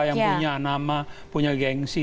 yang punya nama punya gengsi